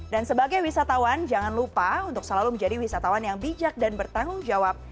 dan sebagai wisatawan jangan lupa untuk selalu menjadi wisatawan yang bijak dan bertanggung jawab